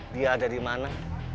dia ada di mana